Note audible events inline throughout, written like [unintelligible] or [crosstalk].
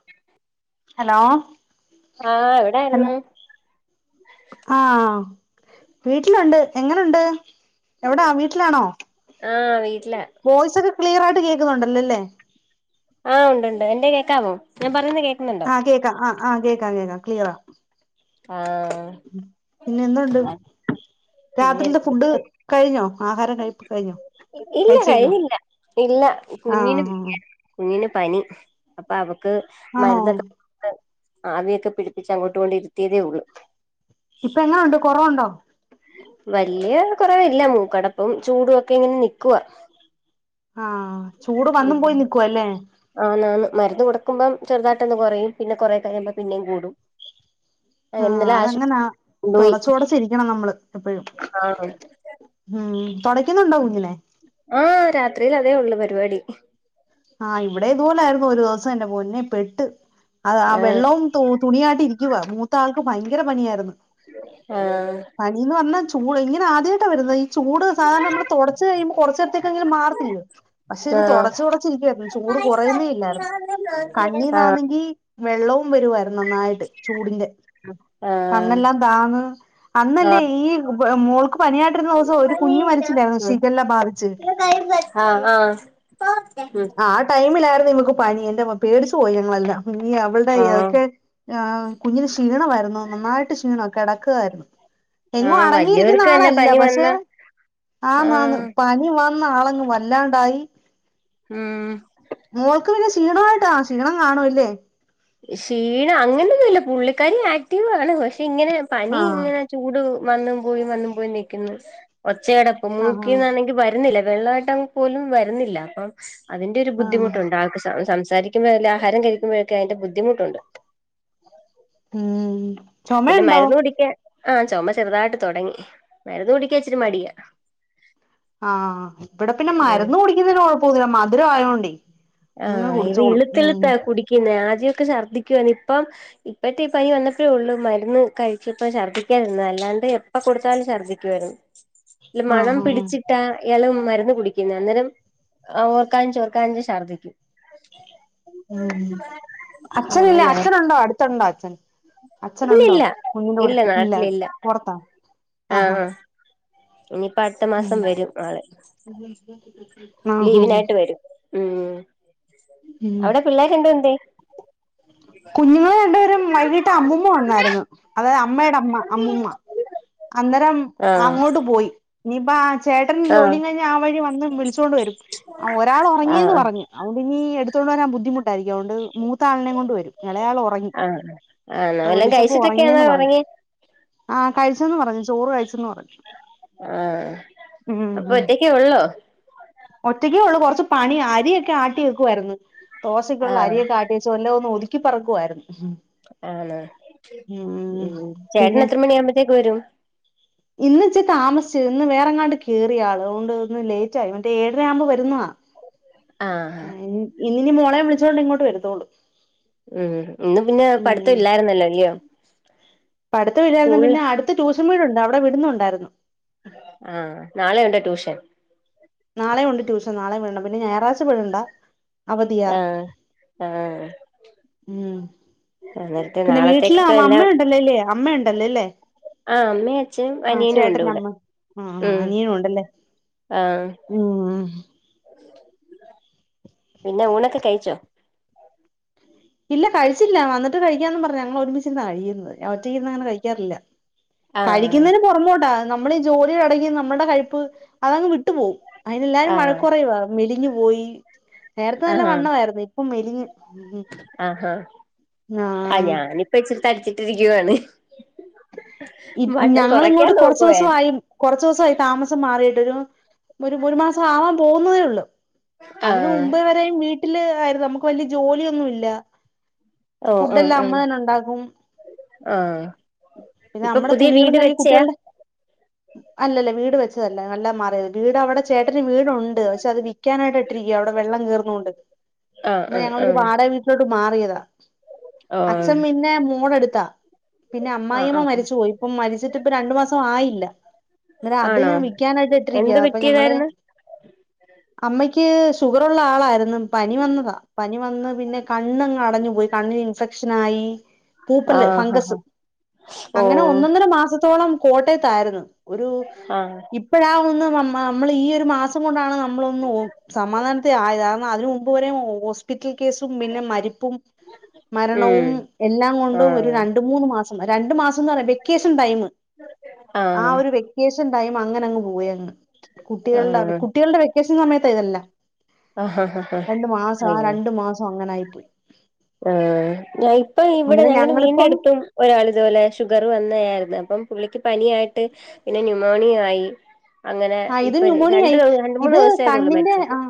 [inaudible] Hello ആഹ് hello എവിടായിരുന്നു ആഹ് വീട്ടിലുണ്ട് എങ്ങനുണ്ട് എവിടാ വീട്ടിലാണോ? ആഹ് വീട്ടിലാ വോയ്സ് ഒക്കെ ക്ലിയർ ആയിട്ട് കേൾക്കുന്നുണ്ടല്ലോല്ലേ? ആഹ് ഉണ്ട് ഉണ്ട് എന്റെ കേൾക്കാമോ ഞാൻ പറയുന്ന കേക്ക ആഹ് കേൾക്കാം ആ ആഹ് കേൾക്കാം കേൾക്കാം ക്ലിയറാ ആഹ് പിന്നെ എന്തുണ്ട്‌ പിന്നെ രാത്രില്തെ ഫുഡ് കഴിഞ്ഞോ ആഹാരം കഴിപ്പ് കഴിഞ്ഞോ ഇല്ല കഴിച്ചു കഴിഞ്ഞോ? കഴിഞ്ഞില്ല ഇല്ല കുഞ്ഞിന് ആഹ് വയ്യ ആഹ് കുഞ്ഞിന് പനി അപ്പോ അവക്ക് ആണോ മരുന്നൊക്കെ ക്ക് ആവിയൊക്കെ പിടിപ്പിച്ച് അങ്ങോട്ട് കൊണ്ട ഇരുത്തിയതേ ഉള്ളൂ ഇപ്പ എങ്ങനെയുണ്ട് കുറവുണ്ടോ? വല്യ കുറവില്ല മൂക്കടപ്പും ചൂടും ഒക്കെ ഇങ്ങനെ നിക്കുവാ ആഹ ചൂട് വന്നും പോയി നിൽക്കുവ അല്ലേ ആന്ന് ആന്ന് മരുന്ന് കൊടുക്കുമ്പം ചെറുതാട്ടൊന്ന് കുറയും പിന്നെ കുറെേ കഴയുമ്പ പിന്നെയും കൂടും അങ്ങനെ ആഹ് ഇന്നലെ ആശുപത്രി അതങ്ങനാ കൊണ്ടുപോയി തുടച്ച തുടച്ചിരിക്കണം നമ്മള് എപ്പോഴും ആഹ് ഉം തുടയ്ക്കുന്നുണ്ടോ കുഞ്ഞിനെ? ആഹ് രാത്രിൽ അതേ ഉള്ളു പരിപാടി ആഹ് ഇവിടേം ഇതുപോലൊയിരുന്നു ഒരു ദിവസം എന്റെ പൊന്നെ പെട്ട് അത് ആ ആഹ് വെള്ളവും തൂ തുണിയായിട്ട് ഇരിക്കുവ മൂത്ത ആൾക്ക് ഭയങ്കര പണിയായിരുന്നു ആഹ് പനി എന്പറഞ്ഞാൽ ചൂട് ഇങ്ങനെ ആദ്യമായിട്ടാണ് വരുന്നത് ഈ ചൂട് സാധാരണ നമ്മള് തുടച്ച് കഴിയോ കുറച്ചടത്തേക്കെങ്കിലും മാർത്തില്ലേ പക്ഷെ ഇത് ആഹ് തുടച്ച് തുട ക്കായിരുന്നു ചൂട് കുറയുന്നേ ഇല്ലായിരുന്നു കണ്ണി ആഹ് നാന്നെങ്കി വെള്ളവും വരുവായിന്നു നന്നാ ചൂടിന്റെ ആഹ് കണ്ണേല്ലാം താന്ന് അന്നല്ല ആഹ് ഈ മോൾക്ക് പനിയായിട്ടിരുന്ന ദിവസോം ഒരു കുഞ്ഞ് മരിച്ചില്ലായിരുന്നോ ശിഖല്ലാ ബാധിച്ച് ആഹ് അഹ് ഉം ആ ടൈമിലായിരുന്നു നിമക്ക് പനി എന്റെമ്മോ പേടിച്ചു പോയി ഞങ്ങളല്ലാം ഇ അവളുടെ ആഹ് അതൊക്കെ ആ കുഞ്ഞിന് ക്ഷീണമായിരുന്നു നന്നായിട്ട് ക്ഷീണമക്കെ കിടക്കുകായിരുന്നു എങ്ങും ആഹ് അടങ്ങിയിരിക്കുന്ന വലിയവർക്ക് തന്നെ ആളല്ല പനി പക്ഷെ വന്നാ ആന്നന്ന് ആഹ് പനി വ ന്നാളങ്ങ് വല്ലാണ്ടായി ഉം മോൾക്ക് പിന്നെ ക്ഷീണമായിട്ടാ? ക്ഷീണം കാണൂല്ലേ? ക്ഷീണം അങ്ങനൊന്നും ഇല്ല പുള്ളിക്കാാര് ആക്റ്റീവാണ് പക്ഷെ ഇങ്ങനെ പനി ആഹ് ഇങ്ങനെ ചൂട് വന്നും പോയി വന്നും പോയി നൽക്കുന്നു ഒച്ചടപ്പും ആഹാ മൂക്കിന്നാണെങ്കിൽ വാ വരുന്നില്ല വെള്ളമായിട്ട് പോലും വരുന്നില്ല അപ്പം അതിന്റെ ഒരു ആഹ് ബുദ്ധിമുട്ടുണ്ട് ആൾക്ക് സംസാരിക്ക ക്കുമ്പോ ആഹരം കഴുമ്പോക്ക അതിന്റെ ബുദ്ധിമുട്ടുണ്ട് ഉം പിന്നെ ചുമയുണ്ടോ മരുന്ന് കുടിക്കാൻ ആ ചുമ ചെറുതായിട്ട് തുടങ്ങി മരുന്ന് കുടിക്കാ ഇച്ചിട്ട് മടിയ ആഹ് ഇവിടെ പിന്നെ ഉം മരുന്ന് കുടിക്കുന്നതിന് കൊഴപ്പമില്ല മധുര ആയോണ്ടെ ആഹ് ഇത് ഇളുത്തിളുത്താ കുടിക്കുന്ന ആദ്യൊക്കെ ഛർദ്ദിക്കുവന്ന് ഇപ്പം ഇപ്പഴത്തെ ഈ പനി വന്നപ്പോഴേ ഉള്ളൂ മരുന്ന് കഴിച്ചപ്പ ശർദ്ദിക്കാതിരുന്നത് അല്ലാണ്ട് അപ്പ കൊടുത്താലും ശർദ്ദിക്കുവാരുന്നു ഈ മണം ആഹ് ആഹ് പിടിച്ചി ട്ട ഇളും മരുന്ന് കുടിക്കുന്നു അന്നേരും ഓർക്കാനും ചോർക്കാനും ശർദ്ദിക്കും ഉം അച്ഛനല്ലേ അങ്ങനെ അച്ഛനുണ്ടോ അടുത്തുണ്ടോ അച്ഛൻ അച്ഛനുണ്ടോ ഇല്ലില്ല കുഞ്ഞിന്റെ കൂടെ ഇല്ല പുറത്താ ആഹാ ആഹ ഇനിയിപ്പ അടുത്ത ഉം മാസം വരും ആള് [unintelligible] ലീവിനായിട്ട് വരും ഉം അവിടെ പിള്ളേരണ്ടും എന്ത്യേ കുഞ്ഞുങ്ങൾ രണ്ട്പേരും വൈകീട്ട് അമ്മമ്മ വന്നായിരുന്നു അതായത് അമ്മയുടെ അമ്മ അമ്മൂമ്മ അന്നേരം ആഹ് അങ്ങോട്ട് പോയി ഇനിപ്പോ ചേട്ടൻ ആഹ് ജോലി കഴിഞ്ഞ് ആ വഴി വന്ന് വിളിച്ചുകൊണ്ട് വരും ഒരാൾ ആഹ് ഉറങ്ങിയന്ന് പറഞ്ഞു അകൊണ്ട്നി എടുത്തൊണ്ട് വരാൻ ബുദ്ധിമുട്ടായിരിക്കുംഅതൊണ്ട് മൂത്ത ആളിനെ കൊണ്ടു വരും എളയാള് ഒ റങ്ങി ആഹ് ആഹ് ആണോ ഇപ്പ വല്ലോം വിളിച്ചപ്പോ കഴിച്ചിട്ടൊക്കെയാണോ ഉറങ്ങിയന്ന് പറഞ്ഞു ഒറങ്ങിയെ ആഹ കഴിച്ചന്ന് പറഞ്ഞു ചോറ് കഴിച്ചന്ന് പറഞ്ഞു ആഹ് ഉം അപ്പൊ ഉം ഒറ്റക്കേ ഉള്ളോ ഒറ്റക്കെ ഉള്ളൂ കുറച്ച് പണി അരിയൊക്കെ ആട്ടി വെക്കുമായിരുന്നു ദോശക്കുള്ള ആഹ് അരിയൊക്കെ ആട്ടി ച്ച് വല്ലോം ഒന്ന് ഒതുക്കി പറക്കുവായിരുന്നു ആണോ ഉം പിന്നെ ചേട്ടനെത്ര മണി ആമ്പോത്തേക്ക് വരും [inaudible] ഇന്ന് ഇച്ചി താമസിച്ച് ഇന്ന് വേറെങ്ങാണ്ട് കേറി ആള് അതുകൊണ്ട് ഇന്ന് ലേറ്റായി മറ്റേ ഏഴര ആകുമ്പോൾ വരുന്നത ആഹ് അയ് ഇന്നിനി മോളെ വിളിച്ചോണ്ട് ഇങ്ങോട്ട് വരുത്തള്ളൂ ഉം ഇന്ന് പിന്നെ ഉം പഠിത്തം ഇല്ലായിരുന്നല്ലോ അല്ലയോ പഠിത്തം ഇല്ലായിരുന്നു സ്കൂളില് പിന്നെ അടുത്ത് ട്യൂഷൻ വീടുണ്ട് അവിടെ വിടുന്നുണ്ടായിരുന്നു ആഹ് നാളെ ഉണ്ടോ ട്യൂഷൻ നാളെയും ഉണ്ട് ടൂഷൻ നാളെ വിടണം പിന്ന ഞായറഴ്ച വിടണ്ട അവധിയാ ആഹ് ആഹ് ഉം അന്നേരത്തെ പിന്നെ വീട്ടില് നാളത്തേക്കൊക്കെ എല്ലാം അമ്മയുണ്ടല്ലോ അല്ലേ അമ്മയുണ്ടല്ലോ അല്ലേ ആ അമ്മയും അച്ഛനും ആ അനിയനും ഉണ്ട് ചേട്ടന്റെ ഇവിടെ അമ്മ ആ ഉം അനിയനും ഉണ്ടല്ലേ ആഹ് ഉം പിന്നെ ഊണോക്കെ കഴിച്ചോ ഇല്ല കഴിച്ചില്ല വന്നിട്ട് കഴിക്കാന്ന് പറഞ്ഞ ഞങ്ങൾ ഒരുമിച്ചിരുന്ന കഴിക്കുന്നത് ഞാനൊറ്റക്ക് ഇരുന്ന് അങ്ങനെ കഴിക്കാറില്ല ആഹ് കഴിക്കുന്നതിന് പുറമോട്ടാ നമ്മളീ ഈ ജോലി ഇടക്ക് നമ്മുടെ കഴിപ്പ് അതങ്ങ് വിട്ടു പോകും അയിന്ല്ലാരും ആഹ് വഴക്ക് പറയുവാ മെലിഞ്ഞു പോയി നേരത്തെ നല്ല ആഹ് വണ്ണവായിരുന്നു ഇപ്പം മെലിഞ്ഞ് ആഹാ ആ ആഹ് ഞാനിപ്പ ഇച്ചിരി തടിച്ചിട്ടിരിക്കുവായാണ് ഇപ് ഞങ്ങള് ഇങ്ങോട്ട് കുറച്ചു ദിവസവായി കുറച്ച് ദിവസായി താമസം മാറിയിട്ട് ഒരു ഒരു മാസം ആവാൻ പോകുന്നതേ ഉള്ളൂ അതിന് ആഹ് മുമ്പേ വരെ വീട്ടില് ആയിരുന്നു നമുക്ക് വല്യ ജോലിയൊന്നുല്ല ഓ ആഹ് ആഹ് ആ പിന്നെ ഇപ്പൊ നമ്മുടെ പുതിയ തുണികളും വീട് കഴുകി വെച്ചയാ കുട്ടികളുടെ അല്ലല്ല വീട് വെച്ചതല്ല നല്ല മാറിയത് വീട് അവിടെ ചേട്ടന് വീടു ണ്ട് പക്ഷെ അത് വിക്കാനായിട്ട് ഇട്ടിരിക്ക അവിടെ വെള്ളം കേറുന്നൊണ്ട് ആഹ് ഞങ്ങളൊരു ആഹ് വാടക വീ ട്ടിലോട്ട് മാറിയതാ ആഹ് അച്ഛൻ പിന്നെ മോടടുത്താ പിന്നെ അ ആഹ് അമ്മായിമ്മ ആഹ് മരിച്ചു പോയി ഇപ്പം മരിച്ചിട്ട് ഇപ്പ രണ്ടു മാസം ആയില്ല എന്ന ആഹ് അത് ആണോ ഞാൻ വിക്കാനായിട്ട് എന്ത് ഇട്ടിരിക്കയാ അപ്പൊ ഞങ്ങള് പറ്റിയതായിരുന്നു അമ്മയ്ക്ക് ഷുഗറുള്ള ആളായിരുന്നു പനി വന്നതാ പനി വന്ന് പിന്നെ കണ്ണങ്ങ് അടഞ്ഞു പോയി കണ്ണിന് ഇൻഫെക്ഷനായി പൂപ്പല്ല് ആഹ് ഫംഗസ് ആഹ് അങ്ങനെ ഓഹ് ഒന്നൊന്നര മാസത്തോളം കോട്ടയത്തായിരുന്നു ഒരു ആഹ് ഇപ്പോഴാ ഒന്ന് നമ്മൾ ഈ ഒരു മാസം കൊണ്ടാണ് നമ്മളൊന്ന് ഓ സമാധാനതിലായത് കാരണം അതിന് മുമ്പ് വരെ ഹോസ്പിറ്റൽ കേസും പിന്നെ മരിപ്പും മരണവും ഉം എല്ലാം കൊണ്ടും ഒരു ആഹ് ര- മൂന്ന് മാസം രണ്ടു മാസംന്ന് പറയാ വെക്കേഷൻ ടൈം ആ ആഹ് ഒരു വെക്കേഷൻ ടൈം അങ്ങനെ അങ്ങ് പോവയങ്ങ് കുട്ടികളുടെ കുട്ടികളുടെ വെക്കേഷൻ സമയത്ത് ഇതേല്ല ആഹ് ഹാ ആഹ് രണ്ട് മാസം ആ രണ്ടു മാസം അങ്ങനെ ആയി പോയി ആ ഞ ഇപ്പ ഇവിടെ അന്നേരം ഞങ്ങ വീടിന്റെ ഞങ്ങളിപ്പം അടുത്തും ഒരാൾ ഇതുപോലെ ഷുഗർ വന്നതായിരുന്നു അപ്പം പുള്ളിക്ക് പനിയായിട്ട് പിന്നെ ന്യൂുമോണിയ ആയി അങ്ങനെ ആ ഇത് ഇപ്പൊ ന്യൂമോണിയ ആയി രണ്ടു മൂന്ന് ഇത് ദിവസ ആയതള്ളൂ കണ്ണിന്റെ മരിച്ചിട്ട് ആ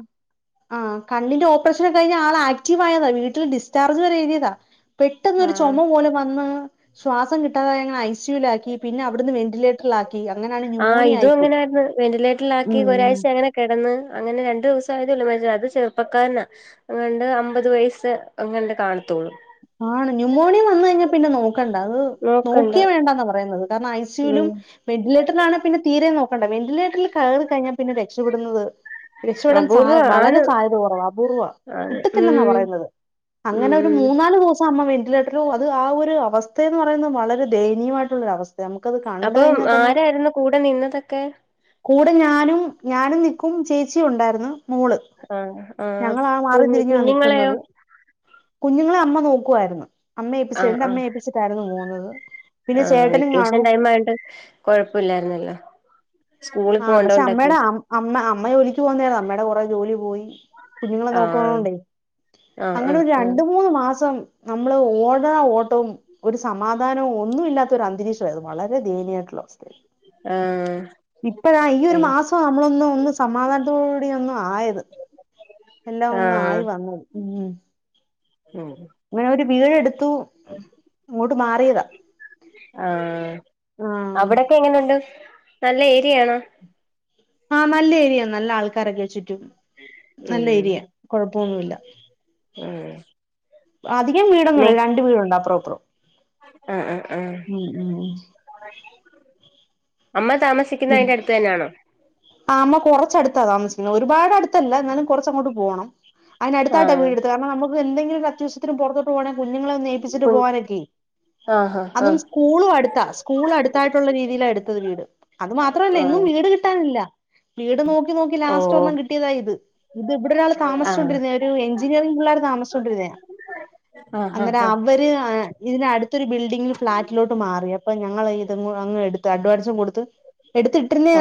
ആഹ് കണ്ണിന്റെ ഓപ്പറേഷൻ കഴിഞ്ഞ ആൾ ആക്റ്റീവയതാ വീട്ടിൽ ഡിസ്ചാർജ് വരെഴുതിയതാ പെട്ടെന്നൊരു ആഹ് ചുമ പോലെ വന്ന് ശ്വാസം കിട്ടാതങ്ങ് ഐ സി സിലാക്കി പിന്നെ അവിടുന്ന് വെന്റിലേറ്ററിലാക്കി അങ്ങനാണ് ന്യൂമോണിയ ആയി വെന്ററിലെറ്ററിൽ ക്കി ഉം ഒരാഴ്ച അങ്ങനെ കിടന്ന് അങ്ങനെ രണ്ടു ദിവസയൊള്ളു മരിച്ച അത് ചെറുപ്പക്കാരനാ അണ്ട് അമ്പത് വയസ്സ് അങ്ങണ്ട് കാണത്തുള്ളു ആണ് ന്യൂമോണിയ വന്നു കഴിഞ്ഞാ പിന്നെ നോക്കണ്ട അത് നോക്കണ്ട നോക്കിയ വേണ്ടാന്ന പറയുന്നത് കാരണം ഐ സി യുവിലും ഉം വെന്റിലേറ്ററിലാണ് പിന്നെ തീരെ നോക്കണ്ട വെന്റിലേറ്ററിൽ കയറി കഴിഞ്ഞാൽ പിന്നെ രക്ഷപ്പെടുന്നത് രക്ഷപ്പെടൻ സ അപൂർവം വളരെ ആണ് സാധ്യത കുറവ് അപൂർവം ആണ് കിട്ടത്തില്ലെന്നാ ഉം പറയുന്നത് അങ്ങനെ ഒരു ഉം മൂന്ന് നാല് ദിവസം അമ്മ വെന്റിലേറ്റർ പോും അത് ആ ഒരു അവസ്ഥയന്ന് പറയുന്നത് വളരെ ദയനീയമായിട്ടുള്ളൊര അവസ്ഥ നമുക്കത് കണ്ട അപ്പം കഴിഞ്ഞാൽ തന്നെ ആരായിരുന്നു കൂടെ നിന്നതൊക്കെ കൂടെ ഞാനും ഞാനും നിക്കും ചേച്ചിഉണ്ടായിരുന്നു മോള് ആഹ് ആഹ് ഞങ്ങാ മാറി കുഞ്ഞ് തിരിഞ്ഞാ കുഞ്ഞുങ്ങളെയോ നിക്കുന്നത് കുഞ്ഞുങ്ങളെ അമ്മ നോക്കുവായിരുന്നു അമ്മയഏൽപ്പിച്ച ആഹ് എന്റെ ആഹ് അമ്മയ ഏൽപ്പിച്ചിട്ടായിരുന്നു പോകുന്നത് പിന്നെ ആഹ് ചേട്ടനും വെക്കേഷൻ കാണും ടൈം ആണ്ട് കൊഴപ്പമില്ലായിരുന്നല്ലോ സ്കൂള ആ പക്ഷെ പോണ്ടോൊണ്ടൊക്കെ അമ്മയുടെ അമ്മ അമ്മ ജോലിക്ക് പോകന്നതാ അമ്മയുടെ കൊറെ ജോലി പോയി കുഞ്ഞുങ്ങളെ ആഹ് നോക്കണോണ്ടേ ആഹ് അങ്ങനെ ആഹ് ഒരു ആഹ് രണ്ട മൂന്ന് മാസം നമ്മള് ഓട ഓട്ടവും ഒരു സമാധാനവും ഒന്നു ഇല്ലാത്തൊ ഒരു അന്തരീക്ഷരുന്നു വളരെ ദയനീമായിട്ടുള്ള അവസ്ഥയിൽ ആഹ് ഇപ്പഴ ഈ ഒരു അയ് മാസം നമ്മളൊന്ന് ഒന്ന് സമാധാനത്തോടൂട ഒന്ന ആയത് എല്ലാം ഒന്ന് ആഹ് ആയി വന്നത് ഉം ഉം ഉം ഇങ്ങനെ ഒരു വീടെടുത്തു ഇങ്ങോട്ട് മാറിയതാ ആഹ് എങ്ങനണ്ട് നല്ല ഏരിയാണോ ആഹ് നല്ല ഏരിയ നല്ല ആൾക്കാരൊക്കെ ചുറ്റും നല്ല ഉം ഏരിയ കൊഴപ്പൊന്നുല്ല ഉം അധികം വീടൊന്നുംല്ല രണ്ട വീടുണ്ടോ അപ്പറപ്പറം അ അആഹ് അമ്മ താമസ ിക്കുന്ന അതിന്റെ അടുത്ത് തന്നെണോ ആമ്മ കൊറച്ചടുത്താ താമസിക്കുന്നത് ഒരുപാട് അടുത്തല്ല എന്നാലും കുറച്ച് അങ്ങോട്ട് പോണം അതിനടുത്തായിട്ട ആഹ് വീടെടുത്തത് കാരണം നമക്ക് എന്തെങ്കില ഒരു അത്യാവ്യത്തിന പുറത്തട്ട് പോണേ കുഞ്ഞങ്ങളെ ഒനേപ്പിച്ചി്ട്ടോക്കെ കു പോവാനൊക്കെ ആഹ് അതും ആഹ് സ്കൂളും അടുത്താ സ്കൂളും അടുത്തായിട്ടുള്ള രീതിയില എടുത്തത് വീട് അത് മാത്രല്ല എങ്ങും ആഹ് വീട് കിട്ടാനില്ല വീട് നോക്കി നോക്കി ആഹ് ലാസ്റ്റ് ഓഹ് ഒരെണ്ണം കിട്ടിയതാഇത് ഇത് ഇവിടെ ഒരാൾ ആഹ് താമിച്ചുകൊണ്ടിരുന്ന ഒരു എഞ്ചിനീറിംഗ പിള്ളർ താമിച്ചുകൊണ്ടരുന്നെയാ ആഹ് ആഹ് അന്നേര ആഹ് അവര് ഏഹ് ഇതിന് അടുത്തൊരു ബിൽഡിങ്ങിൽ ഫ്ളാറ്റിലോട്ട് മാറി അപ്പൊ ഞങ്ങൾ ഇത്ങ്ങ് എടുത്ത് അഡ്വാൻസും കൊടുത്ത്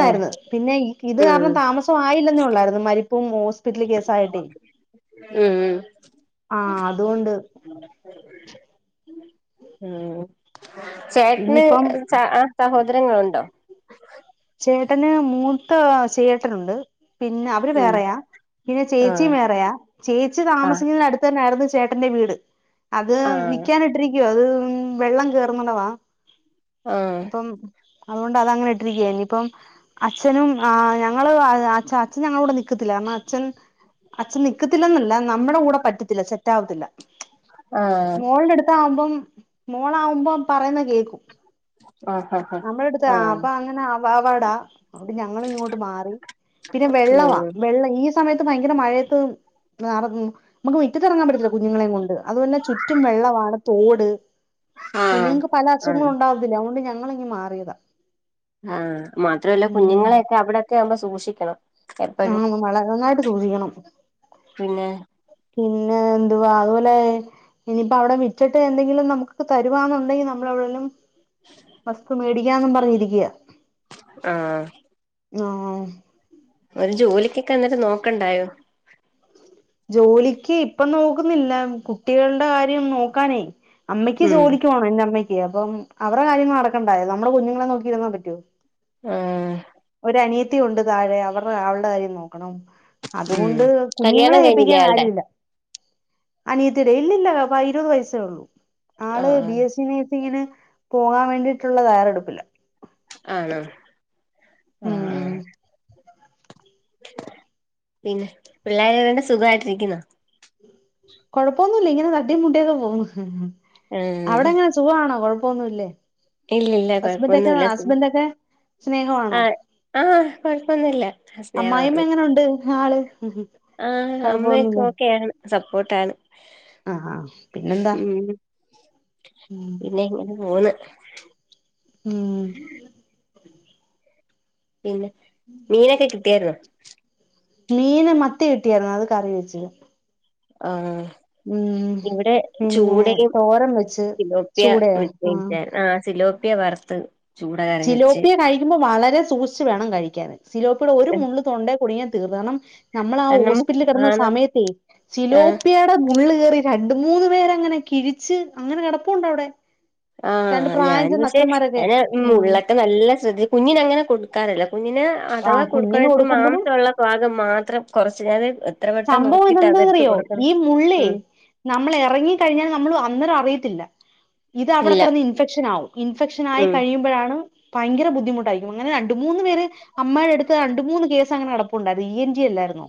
ആഹ് പിന്നെ ഇത് കാരണം ഉം താമസമായിയില്ലെന്ന ഒള്ളായിരുന്നു മരിപ്പും ഹോസ് പിറ്റല് കേസായിട്ടെ ഉം ആഹ് അതുകൊണ്ട് ഉം ചേട്ടന് ഇനിയിപ്പം ച ആഹ് സഹോദരങ്ങളുണ്ടോ? ചേട്ടന് മൂത്ത ആഹ് ചേട്ടനുണ്ട് പിന്നെ അവര് ഉം വേറെയാ പിന്നെ ആഹ് ചേച്ചിയും വേറെയാ ചേച്ചി ആഹ് താമസിക്കുന്നേനടുത്ത് തന്നെ ആരുന്നു ചേട്ടന്റെ വീട് അത് ആഹ് വിക്കാനിട്ടിരിക്കുവാ അത് ഉം വെള്ളം കേറുന്നിടെവാ ആഹ് അപ്പം അതുകൊണ്ട് അതങ്ങനെ ഇട്ടിരിക്കുവാ ഇനിയിപ്പ് ഇപ്പം അച്ഛനും ആഹ് ഞങ്ങള് അ ആഹ് അച്ഛൻ ഞങ്ങളെ കൂടെ നിക്കത്തില്ല കാരണം അച്ഛൻ അച്ഛൻ നിക്കത്തില്ലന്നല്ല നമ്മടെ കൂടെ പറ്റത്തില്ല സെറ്റാവത്തില്ല ആഹ് മോൾടെ അടുത്താവുമ്പം മോളാവുമ്പോ പറയുന്ന കേക്കും ആഹ് ആഹ് നമ്മളെ അടുത്ത് ആഹ് അപ്പൊ അങ്ങനെ ആ വാവാടാ അതുകൊണ്ട് ഞങ്ങളിങ്ങോട്ട് മാറി പിന്നെ വെള്ളവാ ഉം വെള്ള ഈ സ് ഈ സമയത്ത് ഭയങ്കര മഴയത്ത് നറഞ്ഞ് നമ്മക്ക് മിറ്റത്തെറങ്ങാൻ പറ്റത്തില്ല കുഞ്ഞുങ്ങളെയും കൊണ്ട് അതുപോലെ ചുറ്റും വെള്ളവാണ് തോട് ആഹ് കുഞ്ഞുങ്ങക്ക് പല ആഹ് അസുഖങ്ങളും ഒണ്ടാവത്തില്ലെ അതുകൊണ്ട് ഞങ്ങളിങ്ങ് മാറിയതാ ആഹ് മാത്രല്ല ഉം കുഞ്ഞുങ്ങളെയൊക്കെ അവിടെക്കെ ആവുമ്പോ സൂക്ഷിക്കണം എപ്പഴും ങ്ങളെ നന്നായിട്ട് സൂക്ഷിക്കണം പിന്നെ പിന്നെ എന്തുവാ അതുപോലെ ഇനിയിപ്പ അവിടെ വിറ്റിട്ട് എന്തെങ്കിലും നമ്മക്കൊക്കെ തരുവാന്നൊണ്ടെങ്കി നമ്മള് എവിടെലും വസ്തു മേടിക്കാന്നും പറഞ്ഞിരിക്കാ ആഹ് ആഹ് ഒരു ജോലിക്കൊക്കെ അന്നാരം നോക്കണ്ടായോ ജോലിക്ക് ഇപ്പം നോക്കുന്നില്ല കുട്ടികളുടെ കാര്യം നോക്കാനേ അമ്മയ്ക്ക് ഉം ജോലിക്കു പോണം എന്റെമ്മയ്ക്ക് അപ്പം അവരെ കാര്യങ്ങൾ നടക്കണ്ടായോ നമ്മടെ കുഞ്ഞുങ്ങളെ നോക്കി ഇരുന്നാ പറ്റോ ആഹ് ഒരനിയത്തി ഒണ്ട് താഴെ അവര്ടെ അവൾടെ കാര്യം നോക്കണം ഉം അതുകൊണ്ട് കല്യാണം കുഞ്ഞുങ്ങളെ കഴിഞ്ഞില്ലേ ഏപ്പിക്കാൻ അയാൾടെ ആരുല്ല അനിയത്തിയിടെ ഇല്ലില്ല പ ഇരുപത് വയസ്സേ ഒള്ളൂ ആള് ബി ആഹ് എസ് സി നഴ്സിങ്ങിന് പോകാൻ വേണ്ടിയിട്ടുള്ള തയ്യാറെടുപ്പിലാ ആണോ ആഹ് ഉം ആഹ് പിന്നെ പിള്ളേരെകൊണ്ട് സുഖായിട്ടിരിക്കുന്നോ കൊഴപ്പൊന്നുല്ല ഇങ്ങനെ തട്ടി മുട്ടിയൊക്കെ പോന്നു ഉം അവിടെങ്ങനെ സുഖാണോ കൊഴപ്പൊന്നുല്ലേ ഇല്ലില്ല ഹസ്ബൻ്റൊക്കെ കൊഴപ്പൊന്നുല്ല സു ഹസ്ബൻ്റൊക്കെ സ്നേഹവാണോ ആഹ് ആഹ് കൊഴപ്പൊന്നുല്ല അമ്മായി അമ്മ സ്നേഹമാണ് എങ്ങനൊണ്ട്? നാള് ആഹ് അമ്മയൊക്കെ ഓക്കെയാണ് സപ്പോർട്ടാണ് ആ ആ പിന്നെന്താ ഉം പിന്നെയിങ്ങനെ പോന്ന് ഉം ഉം പിന്നെ മീനൊക്കെ കിട്ടിയായിരുന്നോ? മീന് മത്തി കിട്ടിയാരുന്നു അത് കറി വെച്ച്. ആഹ് ഉം ഇവിടെ പിന്നെ ചൂടയും തോരൻ വെച്ച് സിലോപ്യ ചൂടയോ ആ [unintelligible] ആഹ് സിലോപ്യ വറത്ത് ചിലോപ്പിയ കഴി ക്കുമ്പോ വളരെ സൂക്ഷിച്ച് വേണം കഴിക്കാന് സിലോപ്പിയേടെ ഒരു മുള്ള് തൊണ്ടേ കുടുങ്ങിയാൽ തീർന്ന് കാരണം നമ്മളാ കാരണം ഹോസ്പിറ്റലിൽ കെടന്ന ആണ് സമയത്തെ ആ സിലോപ്യ മുള്ള് കേറി രണ്ട് മൂന്ന് പേരങ്ങനെ കിഴിച്ച് അങ്ങനെ കെടപ്പുണ്ട് അവ്ടെ ആഹ് ഞാൻ പക്ഷെ ഞാന് ഉം മുള്ളെക്കെ നല്ല ശ്രദ്ധിച്ച് കുഞ്ഞിന് അങ്ങനെ കൊടുക്കാറില്ല. കുഞ്ഞിന് ആ അഥവാ കുഞ്ഞിന് കൊടുക്കാണെങ്കി കൊടുക്കുമ്പോഴും മാംസള്ള ഭാഗം മാത്രം കൊർച്ച് ഞാന് സംഭവം ഇതെന്താന്നറിയോ ഈ മുള്ളേ ഉം നമ്മള് എറങ്ങി കഴിഞ്ഞാ നമ്മള് അന്നേരം അറിയത്തില്ല ഇത് അവടെ ഇല്ല കെടന്ന് ഇൻഫെക്ഷൻ ആവും ഇൻഫെക്ഷൻ ആയി ഉം കഴിയുമ്പഴാണ് ഭയങ്കര ബുദ്ധിമുട്ടായിരിക്കും അങ്ങനെ രണ്ട് മൂന്ന് പേര് അമ്മയുടെ അടുത്ത് രണ്ട് മൂന്ന് കേസ് അങ്ങനെ കെടപ്പുണ്ടായിരുന്നു ഇ എൻ ടി അല്ലായിരുന്നോ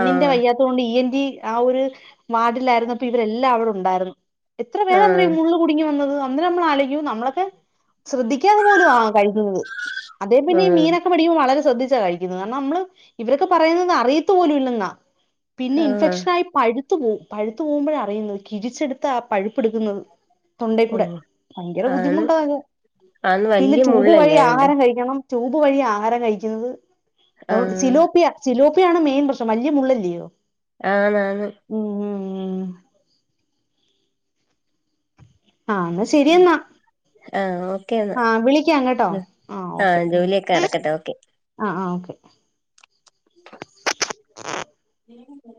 ആ വയ്യാത്തോണ്ട് ഇ എൻ ടി ആ ഒരു വാർഡിലായിരുന്നപ്പൊ ഇവരെല്ലാം അവടെ ഉണ്ടായിരുന്നു എത്ര ആ പേരാന്നറിയോ മുള്ള് കുടുങ്ങി വന്നത് അന്നേരം നമ്മള് ആലോയ്ക്കും നമ്മളൊക്കെ ശ്രദ്ധിക്കാത പോലും ആ കഴിക്കുന്നത് അതേ ആ പിന്നെ ഈ മീനൊക്കെ മേടിക്കുമ്പൊ വളരെ ശ്രദ്ധിച്ചാ കഴിക്കുന്നത്. നമ്മള് ഇവരൊക്കെ പറഴുന്നത് അറിയത്ത്പോലും ഇല്ല ന്ന പിന്നെ ആ ഇൻഫെക്ഷനായി പഴുത്ത് പോവും പഴുത്ത് പോകുമ്പഴാ അറിയുന്ന [unintelligible] ച്ചെടുത്ത ആ പഴു പ്പ് എടുക്കുന്നത് തൊണ്ടേ ഓ കൂടെ ഭയങ്കര ആണ് ബുദ്ധിമുട്ടാ അത് ആന്ന് പിന്നെ വല്യ ട്യൂബ് വഴി മുള്ളല്ലേ അതിന്റെ ആഹാരം കഴിക്കണം ട്യൂബ് വഴി ആഹാരം കഴിക്കുന്നത് ആ അതുകൊണ്ട് സിലോപ്പിയ സിലോപ്പിയാണ് മെയിൻ പ്രശ് വല്യ മുള്ളല്ലി യോ ആ മാങ്ങും ഉം ഉം ഉം ഉം ആഹ് ന്നാ ശരി എന്നാ ആ ഓക്കെ ആ എന്നാ വിളിക്കാം കേട്ടോ ആ ഓക്കെ ജോലിയൊക്കെ നടക്കട്ടെ ഓക്കെ ആ ആ ഓക്കെ ഉ [unintelligible]